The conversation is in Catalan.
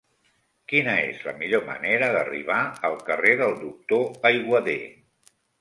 Quina és la millor manera d'arribar al carrer del Doctor Aiguader?